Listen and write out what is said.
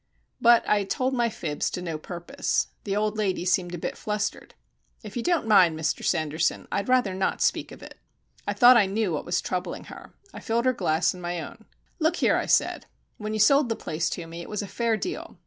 But I had told my fibs to no purpose. The old lady seemed a bit flustered. "If you don't mind, Mr Sanderson, I'd rather not speak of it." I thought I knew what was troubling her. I filled her glass and my own. "Look here," I said. "When you sold the place to me it was a fair deal.